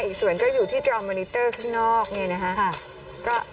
อีกส่วนก็อยู่ที่จอมมอนิเตอร์ข้างนอกเนี่ยนะคะ